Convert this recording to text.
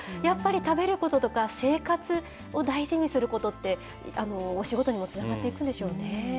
やっぱり食べることとか、生活を大事にすることって、お仕事にもつながっていくんでしょう